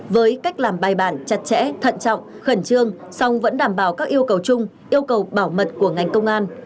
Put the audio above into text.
với cách làm bài bản chặt chẽ thận trọng khẩn trương song vẫn đảm bảo các yêu cầu chung yêu cầu bảo mật của ngành công an